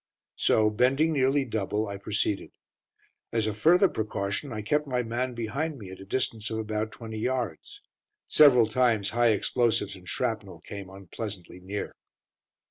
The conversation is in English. So bending nearly double, I proceeded. As a further precaution, I kept my man behind me at a distance of about twenty yards. Several times high explosives and shrapnel came unpleasantly near.